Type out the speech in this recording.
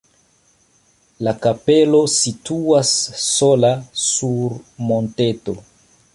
La kapelo situas sola sur monteto.